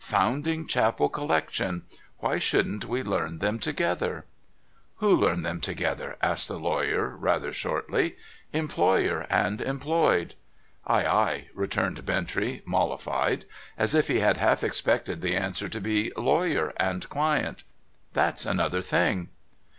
Foundling Chapel Collection. Why shouldn't we learn them together ?'' Who learn them together ?' asked the lawyer, rather shortly. ' Employer and employed.' ' Ay, ay,' returned Bintrey, mollified ; as if he had half expected the answer to be, Lawyer and client. ' That's another thing.'